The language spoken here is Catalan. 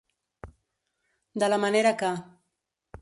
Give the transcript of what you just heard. De la manera que.